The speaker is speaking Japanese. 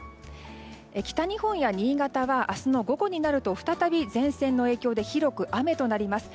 北日本や新潟は明日の午後になると再び前線の影響で広く雨となります。